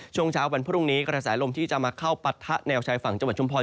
ช่วงเช้าวันพรุ่งนี้กระแสลมที่จะมาเข้าปะทะแนวชายฝั่งจังหวัดชุมพร